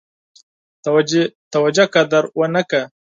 توجه قدر ونه کړه.